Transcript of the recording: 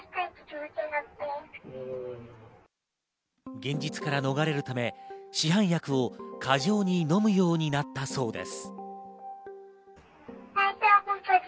現実から逃れるため市販薬を過剰に飲むようになったそうです。